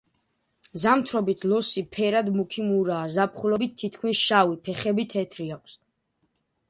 ზამთრობით ლოსი ფერად მუქი მურაა, ზაფხულობით თითქმის შავი, ფეხები თეთრი აქვს.